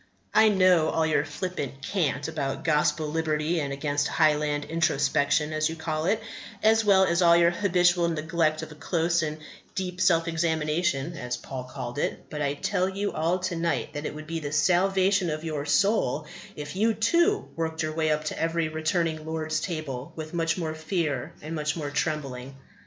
I know all your flippant cant about gospel liberty and against Highland introspection, as you call it as well as all your habitual neglect of a close and deep self examination, as Paul called it; but I tell you all to night that it would be the salvation of your soul if you too worked your way up to every returning Lord's table with much more fear and much more trembling.